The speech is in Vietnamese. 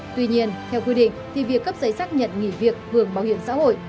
tuy nhiên theo quy định thì việc cấp giấy xác nhận nghỉ việc hưởng bảo hiểm xã hội